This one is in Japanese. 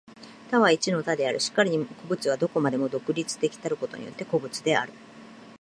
多は一の多である。然るに個物は何処までも独立的たることによって個物である。